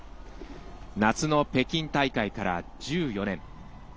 夏の北京大会から１４年。